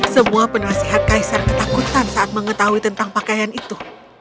semua penasihat kaisar ketakutan saat mengetahui tentang pakaian itu